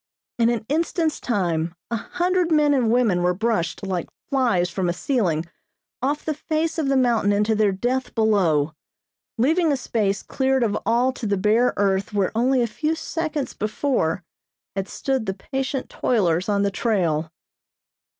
In an instant's time a hundred men and women were brushed, like flies from a ceiling, off the face of the mountain into their death below, leaving a space cleared of all to the bare earth where only a few seconds before had stood the patient toilers on the trail.